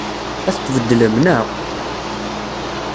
Ad t-tbeddlem, naɣ?